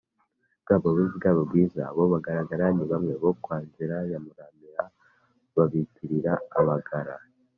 bwaba bubi bwaba bwiza. abo bagara, ni bamwe bo kwa nzira ya muramira: babitirira abagara,